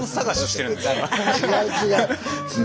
違う違う。